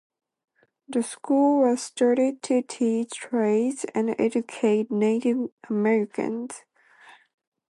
The school was started to teach trades and educate Native Americans.